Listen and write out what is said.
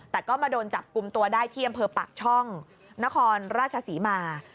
แต่ก็มาโดนจับกลุ่มตัวได้ที่อำเภอปากช่องนครราชศรีมา